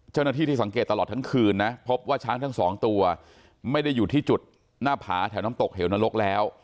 เจ้าหน้าที่ที่สังเกตตลอดทั้งคืนนะพบว่าช้างทั้งสองตัวไม่ได้อยู่ที่จุดหน้าผาแถวน้ำตกเหวนรกแล้ว